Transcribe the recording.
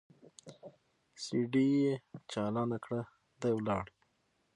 سي ډي يې چالانه کړه دى ولاړ.